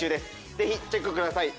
ぜひチェックください！